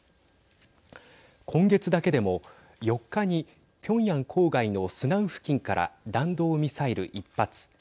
今月だけでも４日にピョンヤン郊外のスナン付近から弾道ミサイル１発。